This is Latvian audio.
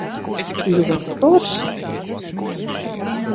Ļoti forši?